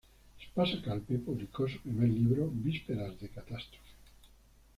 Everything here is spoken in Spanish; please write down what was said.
Espasa-Calpe publicó su primer libro "Vísperas de catástrofe".